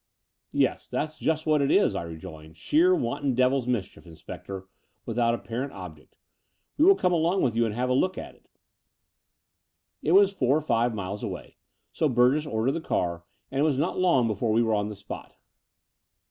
"Yes, that's just what it is," I rejoined, "sheer wanton devil's mischief, inspector, without ap parent object. We will come along with you and have a look at it." It was four or five miles away; so Burgess ordered the car, and it was not long before we were on the spot.